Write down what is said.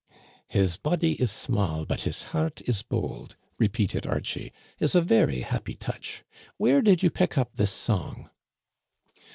* His body is small but his heart is bold,' " repeated Archie, '* is a very happy touch ! Where did you pick up this song